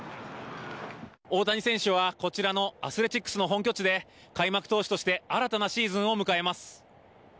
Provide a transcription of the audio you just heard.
大谷選手はこちらのアスレチックスの本拠地で開幕投手として新たなシーズンを迎えます。